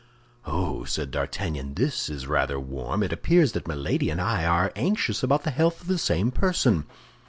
"Oh!" said D'Artagnan, "this is rather warm; it appears that Milady and I are anxious about the health of the same person.